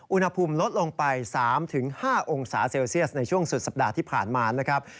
อุณหภูมิลดลงไป๓๕องศาเซลเซียสในช่วงสุดสัปดาห์ที่ผ่านมานะครับ